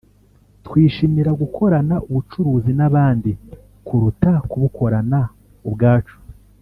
twishimira gukorana ubucuruzi n’abandi kuruta kubukorana ubwacu